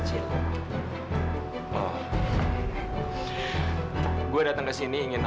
sampai jumpa di selanjutnya